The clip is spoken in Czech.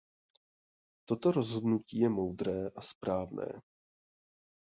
Toto rozhodnutí je moudré a správné.